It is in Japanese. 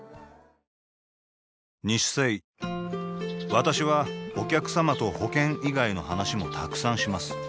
私はお客様と保険以外の話もたくさんします